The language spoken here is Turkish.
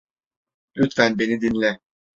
Lütfen beni dinle.